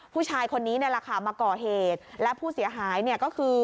ผู้ชายคนนี้ในราคามาก่อเหตุและผู้เสียหายเนี่ยก็คือ